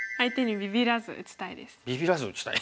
ビビらず打ちたい。